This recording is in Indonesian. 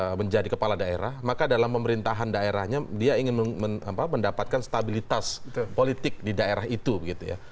ketika menjadi kepala daerah maka dalam pemerintahan daerahnya dia ingin mendapatkan stabilitas politik di daerah itu begitu ya